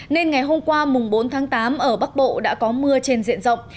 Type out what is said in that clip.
nên ngày hôm qua bốn tháng tám ở bắc bộ đã có mưa trên diện rộng